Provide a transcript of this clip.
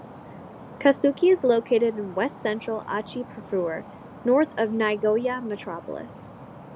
Kasugai is located in west-central Aichi Prefecture, north of the Nagoya metropolis.